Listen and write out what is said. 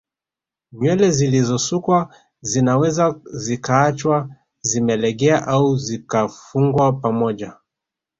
Nywele zilizosukwa zinaweza zikaachwa zimelegea au zikafungwa pamoja